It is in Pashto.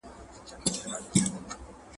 هېوادنۍ شتمنۍ بايد په سمه توګه ولګول سي.